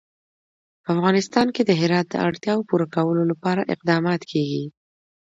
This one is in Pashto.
په افغانستان کې د هرات د اړتیاوو پوره کولو لپاره اقدامات کېږي.